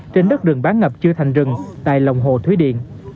trên đất đường bán ngập chưa thành rừng tại lồng hồ thúy điện